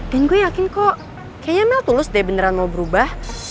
dan gue yakin kok kayaknya mel tulus deh beneran mau berubah